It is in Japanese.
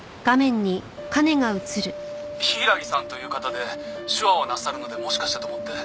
「柊さんという方で手話をなさるのでもしかしてと思って」